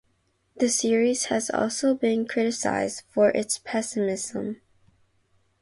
The series has also been criticised for its pessimism.